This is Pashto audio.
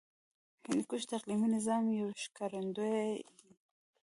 هندوکش د اقلیمي نظام یو ښکارندوی دی.